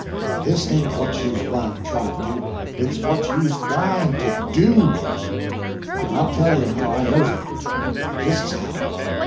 Dis ain't what you's gwyne to try to do, it's what you's gwyne to do. En I'll tell you how I knows it. Dis is how.